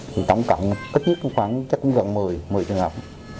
thì tổng cộng ít nhất cũng khoảng chắc cũng gần một mươi trường hợp